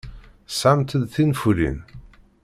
Tesɣamt-d tinfulin?